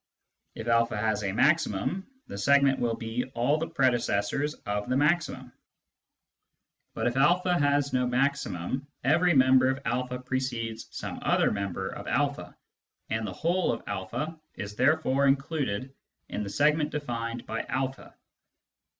If a has a maximum, the sequent will be all the predecessors of the maximum. But if a has no maximum, every member of a precedes some other member of a, and the whole of a is therefore included in the segment defined by a.